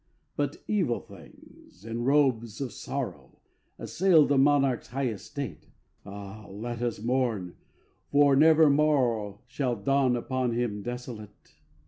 But evil things, in robes of sorrow, Assailed the monarch's high estate. (Ah, let us mourn! for never morrow Shall dawn upon him desolate